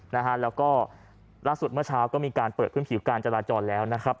นะฮะแล้วก็ล่าสุดเมื่อเช้าก็มีการเปิดพื้นผิวการจราจรแล้วนะครับ